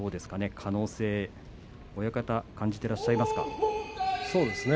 可能性親方は感じていらっしゃいますか。